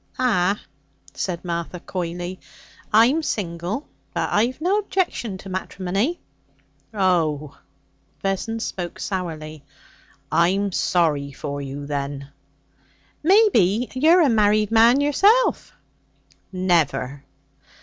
'Ah,' said Martha coyly, 'I'm single; but I've no objection to matrimony.' 'Oh!' Vessons spoke sourly, 'I'm sorry for you, then.' 'Maybe you're a married man yourself?' 'Never.'